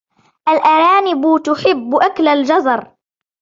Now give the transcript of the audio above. الأرانب تحب أكل الجزر.